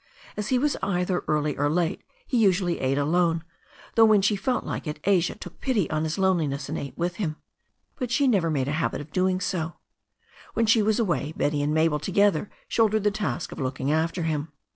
As he was either early or late he usually ate alone, though when she felt like it Asia took pity on his loneliness and ate with him. But she had never made a habit of doing so. "W\v^t^^^'^^'^ 357 J58 THE STORY OF A NEW ZEALAND RIVER away Betty and Mabel together shouldered the task of look ing after him.